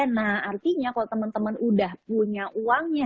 nah artinya kalau teman teman udah punya uangnya